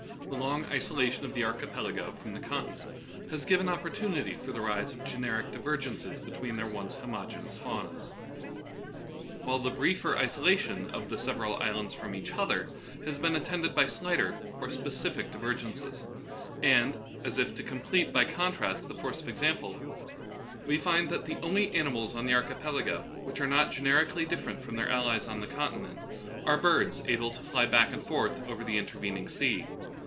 The long isolation of the archipelago from the continent has given oppor tunity for the rise of generic divergences between their once homogeneous faunas, while the briefer isolation of the several islands from each other has been attended by slighter, or specific, diver gences ; and, as if to complete by contrast the force of the example, we find that the only ani mals on the archipelago which are not generically different from their allies on the continent are 28 Danvinism and Other JEssays. birds, able to fly back and forth over the inter vening sea.